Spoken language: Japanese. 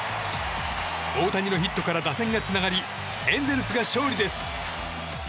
大谷のヒットから打線がつながりエンゼルスが勝利です。